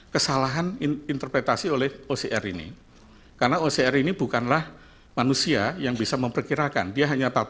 kesalahan interpretasi oleh ocr ini karena ocr ini bukanlah manusia yang bisa memperkirakan dia hanya tahu